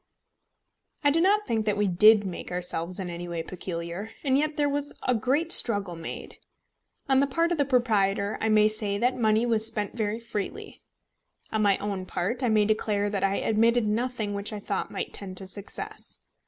I do not think that we did make ourselves in any way peculiar, and yet there was a great struggle made. On the part of the proprietor, I may say that money was spent very freely. On my own part, I may declare that I omitted nothing which I thought might tend to success.